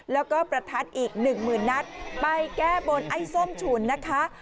แล้วก็ประทัดอีกหนึ่งหมื่นนัดไปแก้บนไอ้ส้มฉุนนะคะ